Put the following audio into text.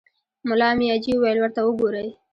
ملا مياجي وويل: ورته وګورئ!